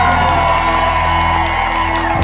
สวัสดีครับ